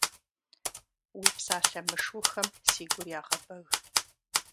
Уи псалъэ мышыухэм си гур ягъэбэг.